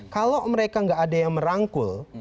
kalau mereka nggak ada yang merangkul